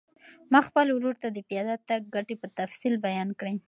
ما خپل ورور ته د پیاده تګ ګټې په تفصیل بیان کړې.